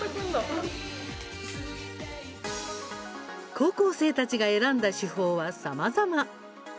高校生たちが選んだ手法はさまざま。